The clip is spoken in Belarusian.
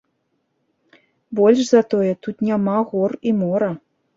Больш за тое, тут няма гор і мора.